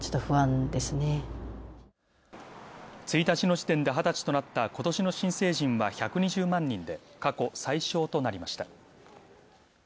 １日の時点で２０歳となった今年の新成人は１２０万人で過去最少となりました。